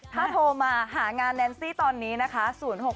ถ้าโหลมาหางานแนนซี่ตอนนี้นะคะ๐๖๓๑๙๘๖๓๓๖